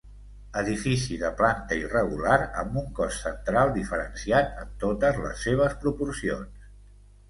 Edifici de planta irregular amb un cos central diferenciat en totes les seves proporcions.